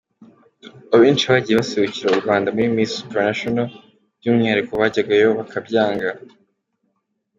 Abenshi bagiye baserukira u Rwanda muri Miss Supranational by’umwihariko bajyagayo bakabyanga.